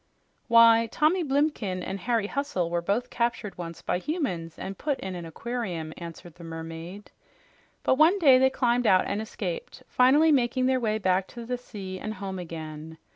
"Why, Tommy Blimken and Harry Hustle were both captured once by humans and put in an aquarium," answered the mermaid. "But one day they climbed out and escaped, finally making their way back to the sea and home again.